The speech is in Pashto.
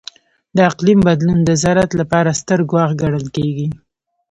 د اقلیم بدلون د زراعت لپاره ستر ګواښ ګڼل کېږي.